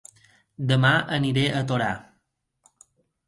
Dema aniré a Torà